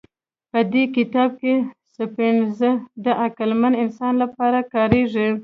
په دې کتاب کې سیپینز د عقلمن انسان لپاره کارېږي.